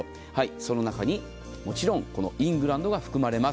その中に、もちろんイングランドが含まれます。